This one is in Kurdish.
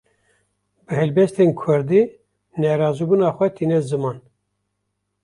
Bi helbestên Kurdî, nerazîbûna xwe tîne ziman